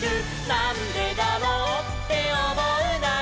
「なんでだろうっておもうなら」